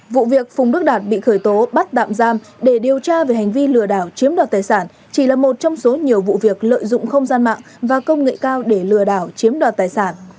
vụ việc phùng đức đạt bị khởi tố bắt tạm giam để điều tra về hành vi lừa đảo chiếm đoạt tài sản chỉ là một trong số nhiều vụ việc lợi dụng không gian mạng và công nghệ cao để lừa đảo chiếm đoạt tài sản